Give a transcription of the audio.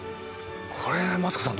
これマツコさん